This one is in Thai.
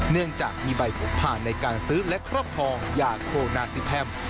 เนื่องจากมีใบผมผ่านในการซื้อและครอบครองยาโคนาซิแพม